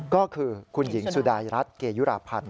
ก็คือคุณหญิงสุดายรัฐเกยุราพันธ์